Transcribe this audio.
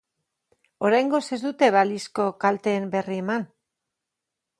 Oraingoz ez dute balizko kalteen berri eman.